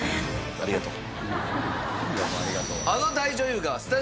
ありがとう。